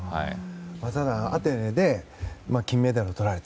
ただ、アテネで金メダルをとられた。